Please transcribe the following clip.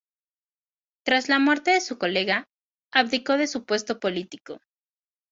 Tras la muerte de su colega, abdicó de su puesto político.